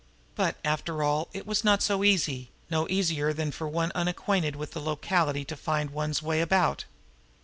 But, after all, it was not so easy; no easier than for one unacquainted with any locality to find one's way about.